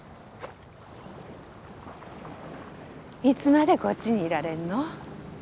いつまでこっちにいられんの？